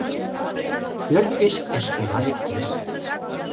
Пӧрт гыч Эшкына лектеш.